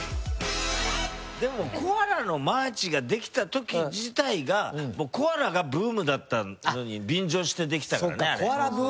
でもコアラのマーチができた時自体がコアラがブームだったのに便乗してできたからねあれ。